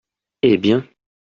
Eh bien !